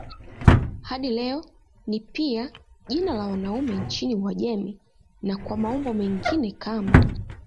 Hadi leo ni pia jina la wanaume nchini Uajemi na kwa maumbo mengine kama